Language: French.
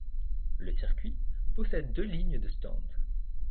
Le circuit possède deux lignes de stands.